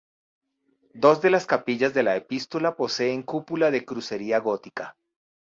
Dos de las capillas de la epístola poseen cúpula de crucería gótica.